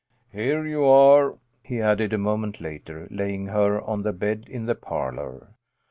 " Here you are," he added a moment later, laying her on the bed in the parlour.